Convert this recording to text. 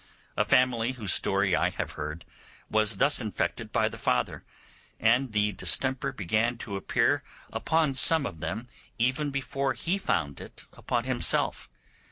A family, whose story I have heard, was thus infected by the father; and the distemper began to appear upon some of them even before he found it upon himself.